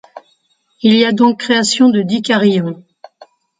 Il y a donc création de dicaryons.